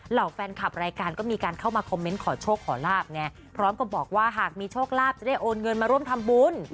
เหล่าแฟนคลับรายการก็มีการเข้ามาคอมเมนต์ขอโชคขอลาบไงพร้อมกับบอกว่าหากมีโชคลาภจะได้โอนเงินมาร่วมทำบุญ